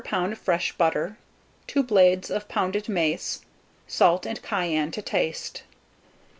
of fresh butter, 2 blades of pounded mace; salt and cayenne to taste.